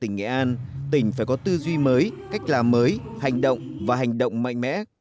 tỉnh nghệ an tỉnh phải có tư duy mới cách làm mới hành động và hành động mạnh mẽ